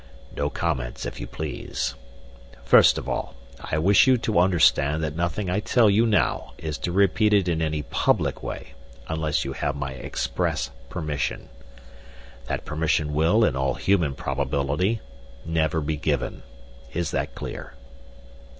"No comments if you please. First of all, I wish you to understand that nothing I tell you now is to be repeated in any public way unless you have my express permission. That permission will, in all human probability, never be given. Is that clear?"